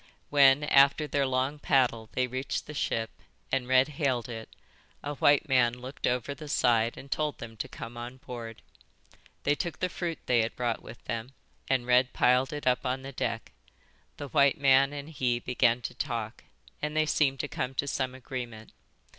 When after their long paddle they reached the ship and Red hailed it, a white man looked over the side and told them to come on board. They took the fruit they had brought with them and Red piled it up on the deck. The white man and he began to talk, and they seemed to come to some agreement.